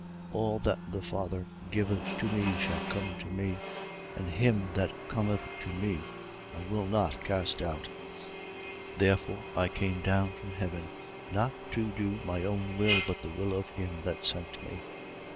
All that the Father giveth to me shall come to me: and him that cometh to me, I will not cast out. 6:38. Because I came down from heaven, not to do my own will but the will of him that sent me. 6:39.